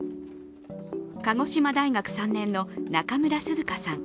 鹿児島大学３年の中村涼夏さん